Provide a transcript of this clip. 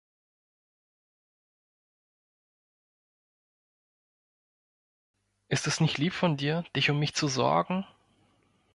Ist es nicht lieb von dir, dich um mich zu sorgen!